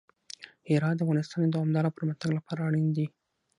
هرات د افغانستان د دوامداره پرمختګ لپاره اړین دي.